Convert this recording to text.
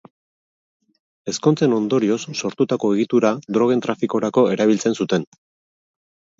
Ezkontzen ondorioz sortutako egitura drogen trafikorako erabiltzen zuten.